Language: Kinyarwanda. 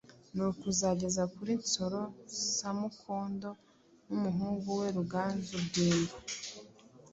kuzageza kuri Nsoro Samukondo n'umuhungu we Ruganzu Bwimba.